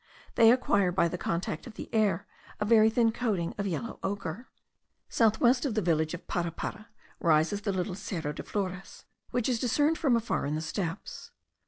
They acquire by the contact of the air a very thin coating of yellow ochre. South west of the village of Parapara rises the little Cerro de Flores, which is discerned from afar in the steppes.